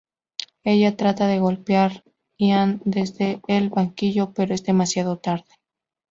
Ella trata de golpear Ian desde el banquillo, pero es demasiado tarde.